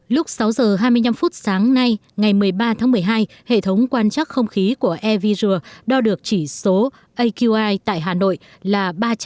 lúc sáu giờ hai mươi năm phút sáng nay ngày một mươi ba tháng một mươi hai hệ thống quan trắc không khí của airvisual đo được chỉ số aqi tại hà nội là ba trăm ba mươi ba